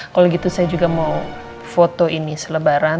kalau gitu saya juga mau foto ini selebaran